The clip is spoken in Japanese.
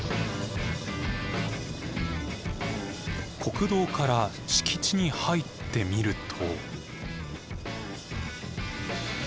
国道から敷地に入ってみると。